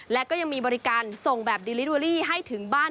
และก็ยังมีบริการส่งแบบดิลิเวอรี่ให้ถึงบ้าน